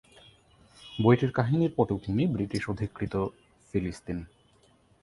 বইটির কাহিনীর পটভূমি ব্রিটিশ অধিকৃত ফিলিস্তিন।